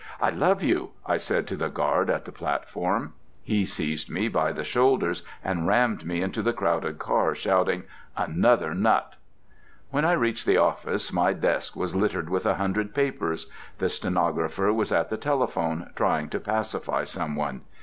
"I love you," I said to the guard on the platform. He seized me by the shoulders and rammed me into the crowded car, shouting "Another nut!" When I reached the office my desk was littered with a hundred papers. The stenographer was at the telephone, trying to pacify someone.